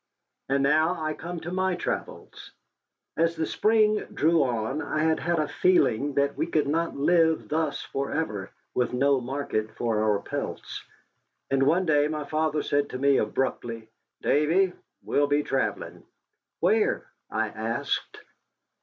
And now I come to my travels. As the spring drew on I had had a feeling that we could not live thus forever, with no market for our pelts. And one day my father said to me abruptly: "Davy, we'll be travelling." "Where?" I asked.